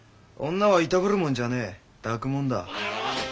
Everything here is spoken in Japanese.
女はいたぶるもんじゃねえ抱くもんだ。